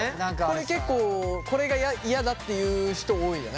これ結構これが嫌だっていう人多いよね。